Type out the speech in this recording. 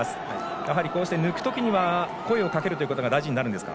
やはり、抜くときには声をかけることが大事になるんですか？